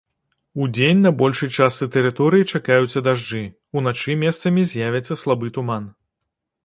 Удзень на большай частцы тэрыторыі чакаюцца дажджы, уначы месцамі з'явіцца слабы туман.